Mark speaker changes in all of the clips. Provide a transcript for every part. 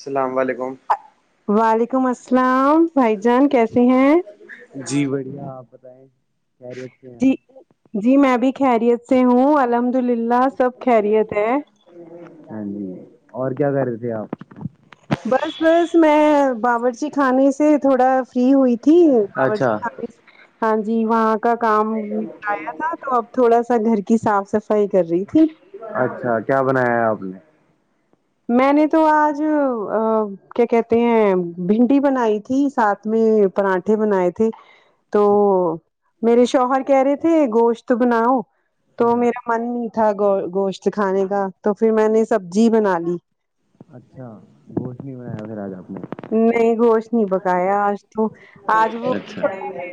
Speaker 1: السلام علیکم
Speaker 2: وعلیکم السلام بھائی جان کیسے ہیں
Speaker 1: جی بڑھیا آپ بتائیں خیریت سے ہیں
Speaker 2: جی
Speaker 1: ہم
Speaker 2: جی میں بھی خیریت سے ہوں الحمد للہ سب خیریت ہے
Speaker 1: ہاں جی اور کیا کر رہے تھے آپ
Speaker 2: بس بس میں بابرچی خانے سے تھوڑا فری ہوئی تھی
Speaker 1: اچھا
Speaker 2: بابرچی کھانے سے ہاں جی وہاں کا کام نپٹایا تھا تو اب تھوڑا سا گھر کی صاف صفائی کر رہی تھی
Speaker 1: اچھا کیا بنایا ہے آپ نے
Speaker 2: میں نے تو آج ا کیا کہتے ہیں بھنڈی بنائی تھی ساتھ میں پراٹھے بنائے تھے تو
Speaker 1: اچھا
Speaker 2: میرے شوہر کہہ رہے تھے گوشت بناؤ تو
Speaker 1: ہاں،
Speaker 2: میرا من نہیں تھا گ گوشت کھانے کا تو پھر میں نے سبزی بنا لی
Speaker 1: اچھا گھوشت بھی بنایا پھر آج آپ نے
Speaker 2: نہیں گوشت نہیں پکایا آج تو آج وہ
Speaker 1: اچھا
Speaker 2: تھوڑا ہی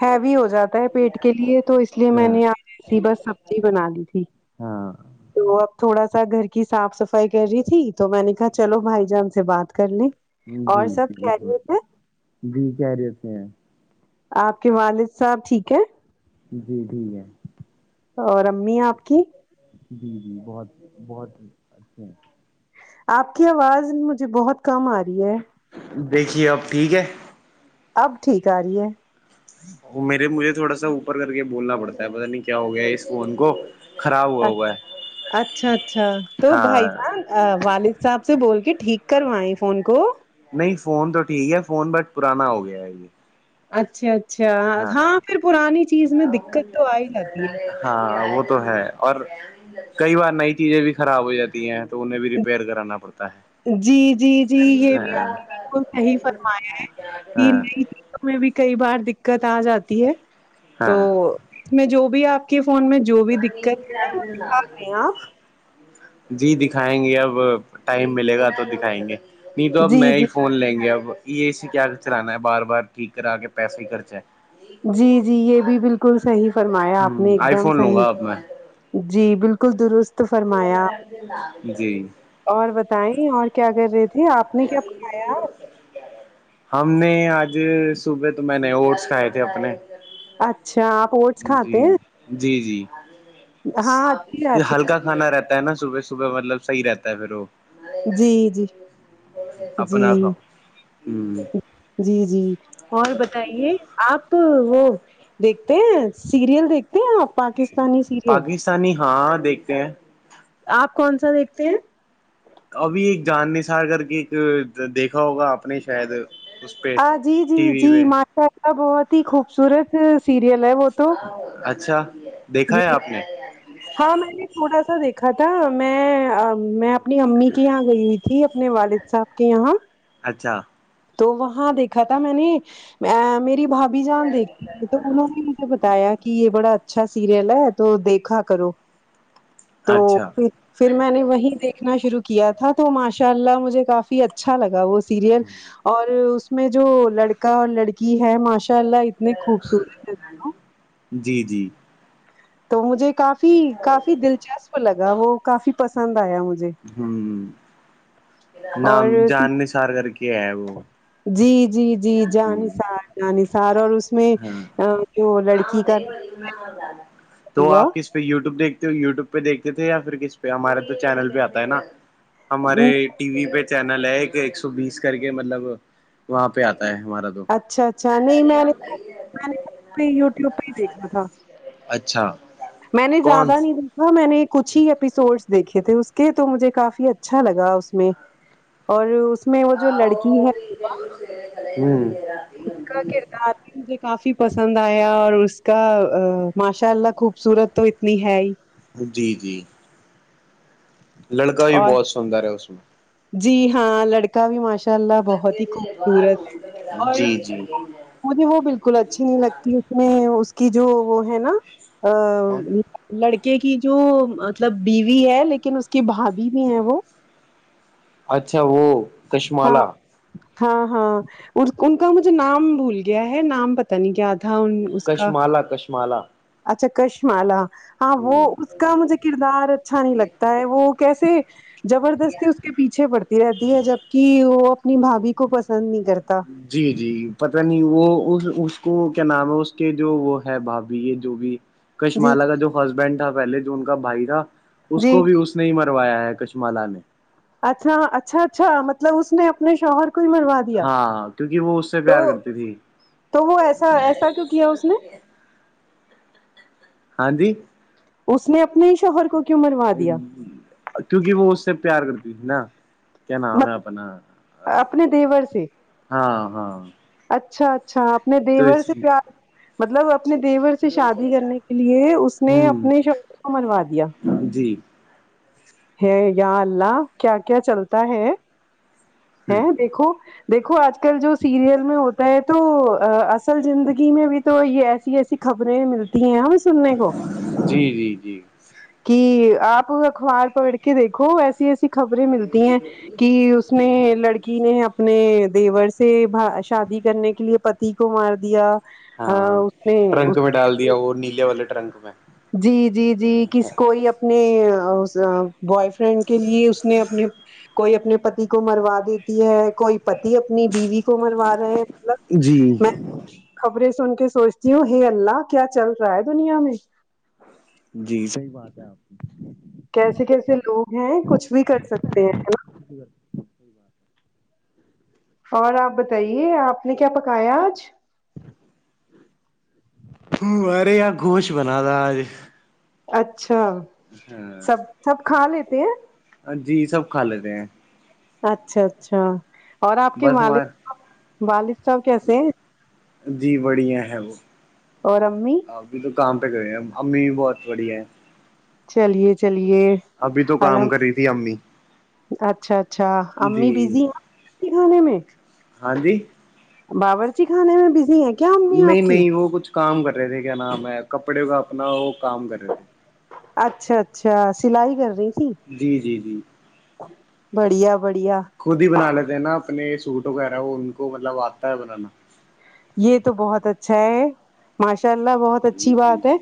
Speaker 2: ہیوی ہو جاتا ہے پیٹ کے لیے تو اس لیے میں
Speaker 1: ہاں
Speaker 2: نے آ ایسی بس سبزی بنا لی تھی [inaudible]
Speaker 1: ہاں
Speaker 2: تو اب تھوڑا سا گھر کی صاف صفائی کر رہی تھی تو میں نے کہا چلو بھائی جان سے بات کر لیں اور
Speaker 1: جی
Speaker 2: سب
Speaker 1: جی بالکل
Speaker 2: خیریت ہیی
Speaker 1: جی کیریت ہیں
Speaker 2: آپ کے والد صاحب ٹھیک ہے
Speaker 1: جی ٹھیک ہے
Speaker 2: اور امی آپ کی
Speaker 1: جی جی بہت بہت اچھے ہیں
Speaker 2: آپ کی آواز مجھے بہت کم آ رہی ہے
Speaker 1: دیکھیے آب ٹھیک ہے
Speaker 2: اب ٹھیک آ رہی ہے
Speaker 1: وہ میرے مجھے تھوڑا سا اوپر کر کے بولنا پڑتا ہے پت نہیں کیا ہو گیا ہے اس فون کو خراب ہوا
Speaker 2: اچ
Speaker 1: ہوا ہے
Speaker 2: اچھا اچھا تو بھائی
Speaker 1: ہاں
Speaker 2: جان والد صاحب سے بول کے ٹھیک کروائیں فون کو
Speaker 1: نہیں فون تو ٹھیک ہے فون بٹ پرانا ہو گیا ہے یہ
Speaker 2: اچھا اچھا ہاں پھر پرانی چیز میں دقت تو آ ہی جاتی ہے
Speaker 1: ہاں وہ تو ہے اور کئی بار نئی چیزیں بھی خراب ہو جاتی ہیں تو انہیں بھی ریپیئر کرانا پڑتا ہے
Speaker 2: جی جی جی یہ بھی آپ نے بالکل صحی فرمایا ہے کہ
Speaker 1: ہاں
Speaker 2: نہیں بھی کئی بار دقت آ جاتی ہے تو
Speaker 1: ہاں
Speaker 2: میں جو بھی آپ کے فون میں جو بھی دقت ہے وہ دکھا رہے ہیں آپ
Speaker 1: جی دکھائیں گے اب ٹائم ملے گا تو دکھائیں گے نہیں تو اب
Speaker 2: جی
Speaker 1: میں ہی
Speaker 2: جی
Speaker 1: فون لیں گے اب یہ اسے کیا چلانا ہے بار بار ٹھیک کرا کے پیسے ہی خرچ ہے
Speaker 2: جی جی یہ بھی بالکل صحیح
Speaker 1: ہ
Speaker 2: فرمایا آپ نے ایک
Speaker 1: آئی
Speaker 2: دم
Speaker 1: فون لوں گا
Speaker 2: صحیح
Speaker 1: اب میں
Speaker 2: جی بالکل درست فرمایا
Speaker 1: جی
Speaker 2: اور بتائیں اور کیا کر رہی تھے آپ نے کیا پڑھایا
Speaker 1: ہم نے آج صبح تو میں نے اوٹس کھائے تھے اپنے
Speaker 2: اچھا آپ اوٹس کھاتے
Speaker 1: جی
Speaker 2: ہیں
Speaker 1: جی جی
Speaker 2: ہاں اچھی بات
Speaker 1: ہلکا کھانا رہتا ہے نا صبح سے صبح مطلب صحیح رہتا ہے پھر وہ
Speaker 2: ہے جی جی جی
Speaker 1: اپنا تھا ہوں
Speaker 2: جی جی اور بتائیے آپ وہ دیکھتے ہیں سیریل دیکھتے ہیں آ پاکستانی سیریل
Speaker 1: انی ہاں دیکھتے ہیں
Speaker 2: آپ کون سا دیکھتے ہیں
Speaker 1: ابھی ایک جان نسار کر کے ایک دیکھا ہوگا آپ نے شاید پہ
Speaker 2: جی جی
Speaker 1: ٹی وی
Speaker 2: جی
Speaker 1: پہ
Speaker 2: ماشاء اللہ بہت ہی خوبصورت سیریل ہے وہ تو
Speaker 1: اچھا دیکھا ہے
Speaker 2: جی
Speaker 1: آپ نے
Speaker 2: ہاں میں نے تھوڑا سا دیکھا تھا میں میں اپنی امی کے یہاں گئی ہوئی تھی تھی اپنے والد صاحب کے یہاں
Speaker 1: اچھا
Speaker 2: تو وہاں دیکھا تھا میں نے میری بھابھی جان دیکھی تو انہوں نے نے بتایا کہ یہ بڑا اچھا سیریل ہے تو دیکھا کرو تو
Speaker 1: اچھا
Speaker 2: پھر پھر میں نے وہیں دیک دنا شروع کیا تھا تو ماشاء اللہ مجھے کافی اچھا لگا وہ سیریل اور اس میں جو لڑکا اور لڑکی ہے ماشاء اللہ اتنے خوبصورت ہے دونوں
Speaker 1: جی جی
Speaker 2: تو مجھے کافی کافی دلچسپ لگا وہ کافی پسند آیا مجھے
Speaker 1: ہوں نام
Speaker 2: اور
Speaker 1: جاننے سار کر کے ہے وہ
Speaker 2: جی جی جی جانسار جانسار اور اس اس میں
Speaker 1: ہاں
Speaker 2: جو لڑکی کا ہوا
Speaker 1: پھر وٹیوب دیکتے ہو یوٹیو پہ دیکتے تھے یا پھر کس پہ ہمارے تو چینل پہ آتا ہے نا ہمارے ٹی وی پہ چینل ہے ایک سو بیس کر کے مطلب وہاں پہ آتا ہے ہمارا تو
Speaker 2: اچھا اچھا نہیں میں نے تو میں نے یوٹیوب پہ ہی دیکھا تھا
Speaker 1: اچھا
Speaker 2: میں نے
Speaker 1: کون
Speaker 2: زیادہ نہیں ہاں میں نے کچھ ہی ایپیسوڈس دیکھے تھے اس کے تو مجھے کافی اچھا لگا اس میں اور اس میں وہ جو لڑکی ہے
Speaker 1: ہوں
Speaker 2: کاکےتاا مجھے کافی پسند آیا اور اس کا ماشاء اللہ خوبصورت تو اتنی ہے ہی
Speaker 1: جی جی لڑکا بھی
Speaker 2: اور
Speaker 1: بہت سندر ہے اس میں
Speaker 2: جی ہاں لڑکا بھی ماشا انشاء
Speaker 1: میں
Speaker 2: اللہ بہت ہی خوبصورت اور
Speaker 1: جی جی
Speaker 2: مجھے وہ بالکل بالکل اچھی نہیں لگتی اس میں اس کی جو وہ ہے نا
Speaker 1: کون
Speaker 2: لڑکے کی جو مطلب بیوی ہے لیکن اس کی بھابھی بھی ہے وہ
Speaker 1: اچھا وہ
Speaker 2: ہاں
Speaker 1: چشمالا
Speaker 2: ہاں ہاں ان کا مجھے نام بھول گیا ہے نام پتا نہیں کیا تھا اس کا
Speaker 1: کشمالا کشمالا
Speaker 2: اچھا کشمالا ہاں وہ
Speaker 1: ہوں
Speaker 2: کا مجھے کردار اچھا نہیں لگتا ہے وہ کیسے زبردستی اس کے پیچھے پڑتی رہتی ہے جبک وہ اپنی بھاابھی کو پسند نہیں کرتا
Speaker 1: جی جی پت نہیں وہ اس کو کیا نام ہے اس کے جو وہ ہے بھابھی یہ جو بھی
Speaker 2: جی
Speaker 1: کشمالا کا جو ہسبینڈ تھا پہلے جو ان کا بھائی تھا اس
Speaker 2: جی
Speaker 1: کو بھی اس نہیں مروایا ہے کچھما نے
Speaker 2: اچھا اچھا اچھا مطلب اس نے اپنے شور کو ہی مروا دیا دیا
Speaker 1: ہاں کیونکہ وہ اس سے
Speaker 2: تو
Speaker 1: پیار کرتی تھی
Speaker 2: تو وہ ایسا ایسا کیوں کیا اس نے
Speaker 1: ہاں جی
Speaker 2: اس نے اپنے ہی شوہر کو کیوں مروا دیا
Speaker 1: کیونکہ وہ اس سے پیار کرتی تھی نا کیا نام ہے اپنا
Speaker 2: اپنے دیور سے
Speaker 1: ہاں ہاں
Speaker 2: اچھا اچھا اپنے
Speaker 1: تو
Speaker 2: دیور
Speaker 1: اس
Speaker 2: سے
Speaker 1: لیے
Speaker 2: پیار مطلب اپنے دیور سے شادی کرنے کے لیے اس نے
Speaker 1: ہوں
Speaker 2: اپنے شبد کو منوا دیا
Speaker 1: جی
Speaker 2: ہے یا اللہ کیا کیا چلتا ہے ہے
Speaker 1: ہ
Speaker 2: دیکھو دیکو آج کل جو سیریل میں ہوتا ہے تو اصل زندگی میں بھی تو یہ ایسی ایسی خبریں ملتی ہیں ہمیں سننے کو
Speaker 1: جی جی جی
Speaker 2: کہ آپ اخبار پکڑ کے دیکھو ایسی ایسی خبریں ملتی ہیں کہ اس میں نے اپنے دیور سے شادی کرنے کے لیے پتی کو مار دیا
Speaker 1: ہاں
Speaker 2: اس نے
Speaker 1: ٹرنک
Speaker 2: اس
Speaker 1: میں ڈال دیا وہ نیلے والے ٹرنک میں
Speaker 2: جی جی جی کس کوئی اپنے بوائے فرینڈ کے لیے اس نے اپنے کوئی اپنے پتی کو مروا دیتی ہے کوئی پتی اپنی بیوی مروا رہے ہیں
Speaker 1: جی
Speaker 2: ملب میں [unintelligible] خبریں سن کے سوچتی ہوں ہ اللہ کیا چل رہا ہے دنیا میں
Speaker 1: جی صحی بات ہے آپ کی
Speaker 2: کیسے کیسے لوگ ہیں کچھ بھی کر سکتے ہیں
Speaker 1: ٹھیک [unintelligible]
Speaker 2: اور آپ بتائیے آپ نے کیا پکایا آج
Speaker 1: مارے آ گوش بنا د آج [unintelligible]
Speaker 2: اچھا سب سب کھا لیتے ہیں
Speaker 1: جی سب کھا لیتے ہیں
Speaker 2: اچھا اچھا اور آپ کے
Speaker 1: بس
Speaker 2: والد
Speaker 1: ہمار
Speaker 2: صاحب والد صاحب کیسے ہیں
Speaker 1: جی بڑھیا ہے وہ
Speaker 2: اور رمی
Speaker 1: ابھی تو کام پہ گئے ہیں امی بھی بہت بڑھیا ہے
Speaker 2: چلیے چلیے
Speaker 1: ابھی تو کام
Speaker 2: الحمد
Speaker 1: کر رہی تھی امی
Speaker 2: اچھا اچھا امی
Speaker 1: جی
Speaker 2: بزی ہیں کھانے میں
Speaker 1: ہاں جی [unintelligible]
Speaker 2: باورچی خانے میں بزی ہے
Speaker 1: نہیں نہیں وہ کچھ کام کر رہے تھے کیا نام ہے کپڑے کا اپنا وہ کام کر رہے تھے
Speaker 2: اچھا اچھا سلائی کر رہی ت
Speaker 1: جی جی جی
Speaker 2: بڑھیا بڑھیا
Speaker 1: خود ہی بنا لیتے ہیں نا اپنے سوٹ وغیرہ وہ ان کو مطلب آتا ہے بنانا
Speaker 2: یہ تو بہت اچھا ہے ماشاء اللہ بہت اچھی بات ہے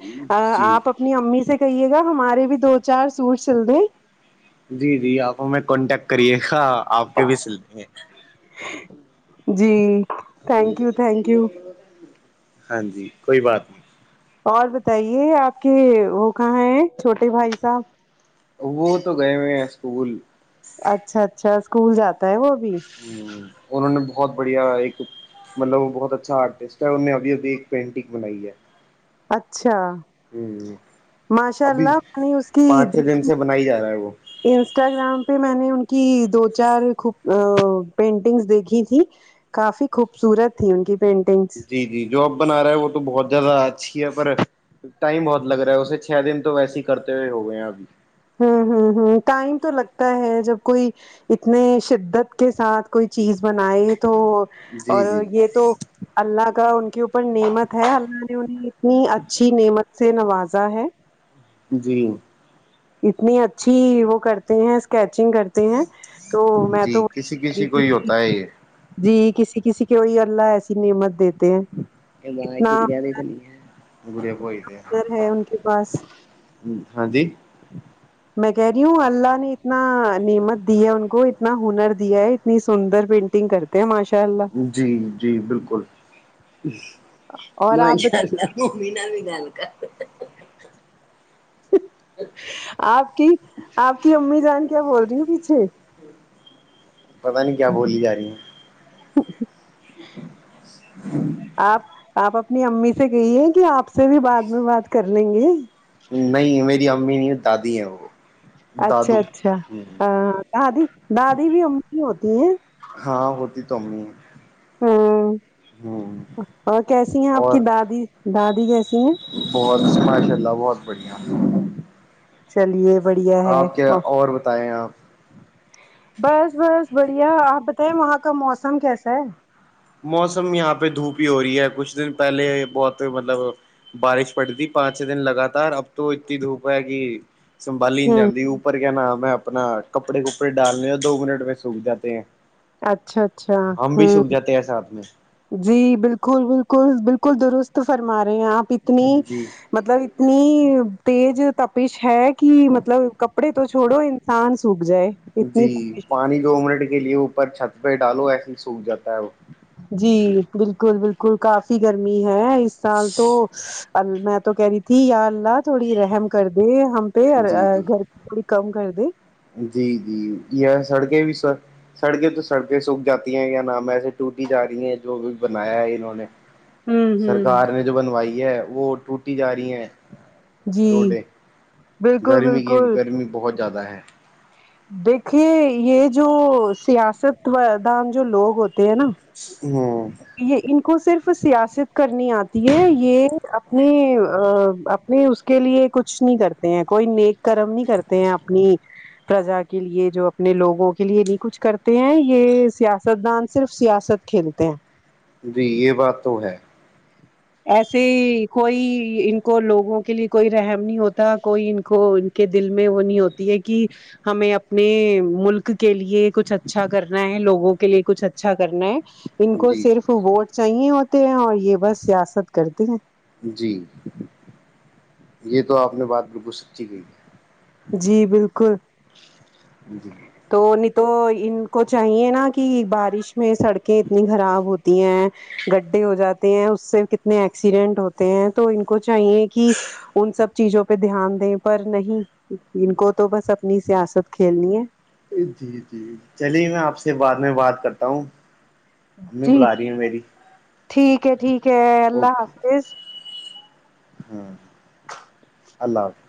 Speaker 1: جی
Speaker 2: آپ اپنی امی سے کہیے گا ہمارے بھی دو چار سوٹ سل دے
Speaker 1: جی جی آپ ہم کانٹیکٹ کریے گا آپ کے بھی سلے
Speaker 2: جی تھینک یو تھینک یو
Speaker 1: ہاں جی کوئی بات نہیں
Speaker 2: اور بتائیے آپ کے وہ کہاں ہے چھوٹے بھائی صاحب
Speaker 1: وہ تو گئے ہوئے ہیں اسکول
Speaker 2: اچھا اچھا اسکول جاتا ہے وہ بھی
Speaker 1: ہ انہوں نے بہت بڑھیا ایک مطلب وہ بہت اچھا آرٹسٹ ہے انوں ابھی ابھی ایک پینٹنگ بنائی ہے
Speaker 2: اچھا
Speaker 1: ہ
Speaker 2: ماشاء
Speaker 1: ابھی
Speaker 2: اللہ میں نے اس کی
Speaker 1: پانچ چھ دن
Speaker 2: دیکھی
Speaker 1: سے بنائی جا رہا ہے وہ
Speaker 2: انسٹاگرام پہ میں نے ان کی دو چار خوب پینٹنگس دیکھی تھی کافی خوبصورت تھی ان کی پینٹنگ
Speaker 1: جی جی جو اب بنا رہے ہے وہ تو بہت زیادہ اچھی ہے پر ٹائم بہت لگ رہا ہے اسے چھ دن تو ویسے کرتے ہوئے ہو گئے ہیں ابھی
Speaker 2: ہوں ہوں ہوں ٹائم تو لگتا ہے جب کوئی اتنے شدت کے ساتھ کوئی چیز بنائے تو
Speaker 1: جی
Speaker 2: اور
Speaker 1: جی
Speaker 2: یہ تو اللہ کا ان کے اوپر نعمت ہے اللہ نے انہیں اتنی اچھی نعمت سے نوازا ہے
Speaker 1: جی
Speaker 2: اتنی اچھی وہ کرتے ہیں اسکیچنگ کرتے ہیں تو میں تو
Speaker 1: جی
Speaker 2: وہی
Speaker 1: کسی
Speaker 2: کہہ رہی
Speaker 1: کسی کو
Speaker 2: تھی
Speaker 1: ہی
Speaker 2: کہ
Speaker 1: ہوتا ہے یہ
Speaker 2: جی کسی کسی کے وہئی اللہ ایسی نعمت دیتے ہیں
Speaker 1: ماہ
Speaker 2: اتنا
Speaker 1: گڑیا تو نہیں ہے گڑیا کووائی
Speaker 2: ہنر ہے ان کے پاس
Speaker 1: ہاں جی
Speaker 2: میں کہہ رہی ہوں اللہ نے اتنا نعمت دی ہے ان کو اتنا ہنر دیا ہے اتنی سندر پینٹنگ کرتی تھ ماشل
Speaker 1: جی جی بالکل
Speaker 2: اور
Speaker 1: میں
Speaker 2: آپ
Speaker 1: ان شاء
Speaker 2: بتائیے
Speaker 1: اللہ مومی بھی گال کر ا
Speaker 2: آپ کی آپ کی امی جان کیا بول رہی پیچھے
Speaker 1: پتا نہیں کیا بولی جا رہی ہے
Speaker 2: آپ آپ اپنی امی سے گئی ہے کہ آپ سے بھی بعد میں بات کر لیں گے
Speaker 1: نہیں میری امی نہیں دادی ہیں وہ
Speaker 2: اچھا
Speaker 1: دادو
Speaker 2: اچھا دادی دادی بھی ام کی ہوتی ہیں
Speaker 1: ہاں ہوتی تومی
Speaker 2: ہوں اور کیسی ہیں آپ کی
Speaker 1: اور
Speaker 2: دادی دادی کیسی ہیں
Speaker 1: بہت ماشاء اللہ بہت بڑھیا
Speaker 2: چلیے بڑھیا ہے
Speaker 1: آپ کیا
Speaker 2: وہ
Speaker 1: اور بتائیں آپ
Speaker 2: بس بس بڑھیا آپ بتائے وہاں کا موسم کیسا ہے
Speaker 1: موسم یہاں پہ دھوپ ہی ہو رہی ہے کچھ دن پہلے بہت مطلب بارش پڑی تھی پانچ چھ دن لگاتار اب تو اتنی دھوپ ہے کہ سنبالی نہیں
Speaker 2: ہوں
Speaker 1: جاند اوپر کیا نام ہے اپنا کپڑے کپڑے ڈالنے دو منٹ میں سوکھ جاتے ہیں
Speaker 2: اچھا اچھا
Speaker 1: ہم بھی
Speaker 2: ہوں
Speaker 1: سوکھ جاتے ہیں ساتھ میں
Speaker 2: جی بالکل بالکل بالکل درست فرما رہے ہیں آپ اتنی
Speaker 1: جی
Speaker 2: مطلب اتنی تیز تپش ہے کہ
Speaker 1: ہاں
Speaker 2: مطلب کپڑے تو چھوڑو انسان سوکھ جائے اتنی
Speaker 1: جی
Speaker 2: تش
Speaker 1: پانی دو منٹ کے لیے او پر چھت پہ ڈالو ایسے ہی سوکھ جا ہے
Speaker 2: جی بالکل بالکل کافی گرمی ہے اس سال تو میں تو کہہ رہی تھی یا اللہ تھوڑی رحم کر دے ہم
Speaker 1: جی جی
Speaker 2: گھر بڑی کم کر
Speaker 1: جی جی سڑکیں بھی سڑکیں تو سڑکیں سوکھ جاتی ہیں یا نام ایسے ٹوٹی جا رہی ہیں جو بھی بنایا ہے انہوں نے
Speaker 2: ہوں ہوں
Speaker 1: سرکار نے جو بنوائی ہے وہ ٹوٹی جا رہی ہے
Speaker 2: جی بالکل
Speaker 1: کی
Speaker 2: بالکل
Speaker 1: گرمی بہت زیادہ ہے
Speaker 2: دیکھیے یہ جو سیاستدام جو لوگ ہوتے ہیں نا
Speaker 1: ہاں
Speaker 2: یہ ان کو صرف سیاست کرنی آتی ہے یہ اپنی نہیں اس کے لیے کچھ نہیں کرتے ہیں کوئی نیک کرم نہیں کرتے ہیں اپنی پرجا کے لیے جو اپنے لوگوں کے لیے نہیں کچھ کرتے ہیں یہ سیاست دان صرف سیاست کھیلتے ہیں
Speaker 1: جی یہ بات تو ہے
Speaker 2: ایسے کوئی ان کو لوگوں کے لیے کوئی رحم نہیں ہوتا کوئی ان کو کے دل میں وہ نہیں ہوتی ہے کہ ہمیں اپنے ملک کے لیے کچھ اچھا کرنا ہے لوگوں کے لیے کچھ اچھا کرنا ہے ان کو
Speaker 1: جی
Speaker 2: صرف
Speaker 1: جی
Speaker 2: ووٹس چاہے ہوتے ہیں اور یہ بس سیاست کرتے ہیں
Speaker 1: جی یہ تو آپ نے بات بالکو سچی گئی ہے
Speaker 2: جی بالکل
Speaker 1: [unintelligible]
Speaker 2: تو نہیں تو ان کو چاہیے نا کہ بارش میں سڑکیں اتنی خراب ہوتی ہیں گڈھے ہو جاتے ہیں اس سے کتنے ایکسیڈنٹ ہوتے ہیں تو ان کو چاہیے کہ ان سب چیزوں پہ دھیان دیں پر نہیں ان کو تو بس اپنی سیاست کھیلنی ہے
Speaker 1: جی جی چلیے میں آپ سے بعد میں بات کرتا ہوں امی
Speaker 2: جی
Speaker 1: بلا رہی ہ میری
Speaker 2: ٹھیک ہے ٹھیک ہے اللہ حافظ
Speaker 1: ہوں اللہ حافظ